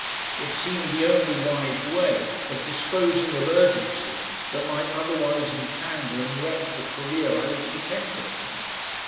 It seemed the only wise way of disposing of urgencies that might otherwise entangle and wreck the career I was intent upon.